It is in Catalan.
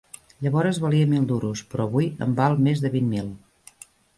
Llavores valia mil duros, però avui en val més de vint mil